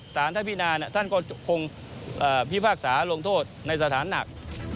สารท่านพินาท่านก็คงพิพากษาลงโทษในสถานหนัก